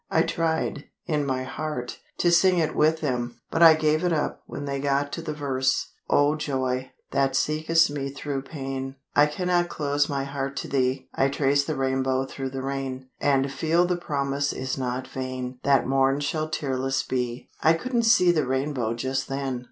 I tried, in my heart, to sing it with them; but I gave it up when they got to the verse— "O Joy, that seekest me through pain, I cannot close my heart to Thee; I trace the rainbow through the rain, And feel the promise is not vain, That morn shall tearless be." I couldn't see the rainbow just then.